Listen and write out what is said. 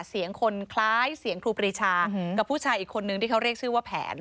เสียงคนคล้ายเสียงครูปรีชากับผู้ชายอีกคนนึงที่เขาเรียกชื่อว่าแผน